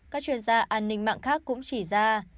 các chuyên gia an ninh mạng khác cũng chỉ ra